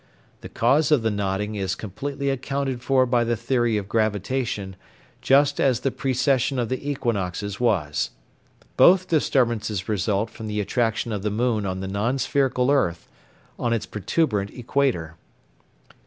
The cause of the nodding is completely accounted for by the theory of gravitation, just as the precession of the equinoxes was. Both disturbances result from the attraction of the moon on the non spherical earth on its protuberant equator.